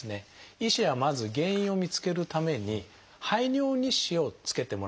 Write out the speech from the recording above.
医師はまず原因を見つけるために排尿日誌をつけてもらうことを勧めています。